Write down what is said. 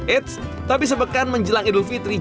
eits tapi sepekan menjelang idul fitri